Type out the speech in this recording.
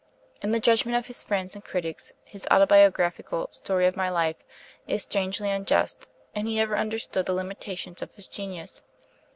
In the judgment of his friends and critics, his autobiographical 'Story of My Life' is strangely unjust, and he never understood the limitations of his genius.